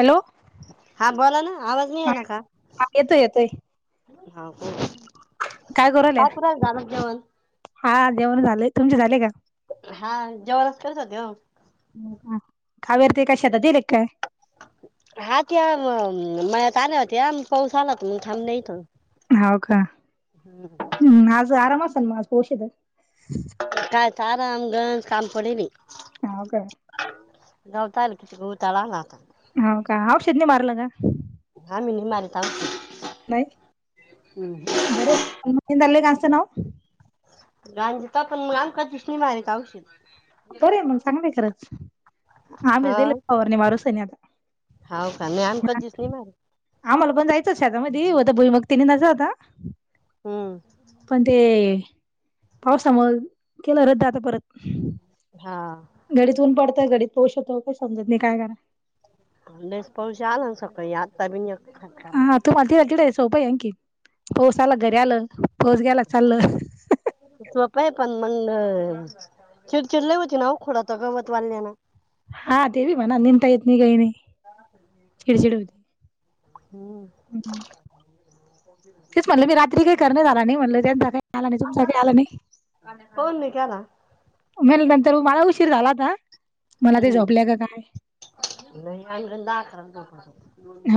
Hello हा बोला ना. आवाज नाही आला का? हा येतोय येतोय हा बोल. काय करूराल्या, हा जेवण झालंय तुमचे झाले का? हा जेवनच करत होते ओ. खाव्यान ते काय शेतात गेले का काय? [inaudible] हा ते मळ्यात आल्या होत्या, पाऊस आला त मग थांबल्या इथ. हाव का. हम्म ह. [unintelligible] हम्म आज आराम असण मग आज पाऊसेत? कायचा आराम गंज काम पडले. हाव काय गावतारयला कितीक उताळा आला आता. [inaudible] हाव का औषेध नाही मारलं का? आम्ही नाही मारीत औषध. नाही बर म पण म निदायला लई गाजते ना ओ. गांजीत पण म आम्ही कधीच नाही मारित औषध. बरंय मग चागलय खरंच. आम्ही हा दिली फवारणी मारून सनी आता. हाव का नाही आम कधीच नाही मारित आम्हाला पण जायचं होतं शेतामधी, होता भुई मुग ते निदायच होता. हम्म पण ते पावसामुळे केल रद्द आता परत. हा. घडीतऊ न पडतय घडीत पाऊस येतो काही समजत नाही काय करा लईच पाऊस आला ना सकाळी आता बि [unintelligible] तू म तिडे सोप आहे आणखी पाऊस आला घरी आलं पाऊस गेला चाल. सोप आहे पण मंग चिडचिड लई होती ना ओ खोडात गवत वाल्ल्याना. हा ते बी म्हणा निंता येत नाही काही नाही. [unintelligible] हिडचीड हो हम्म तेच म्हटलं मी रात्री काही करणे आला नाही म्हटलं त्याच काही आला नाही तुमचा काही आला नाही. हो निघा ना. म्हण नंतर मला उशीर झाला का मला ते हम्म झोपले का काय. नाही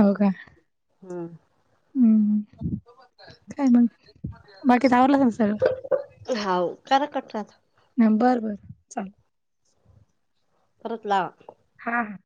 हो का हम्म हम्म काय मग, बाकी वरलंच ना सगळं? हा करा कट आता. बरं बरं चाल परत लावा. हा हां